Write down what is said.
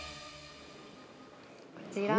◆こちら。